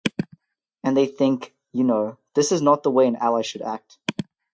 And they think, you know, this is not the way an ally should act.